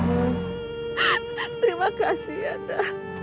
terima kasih yata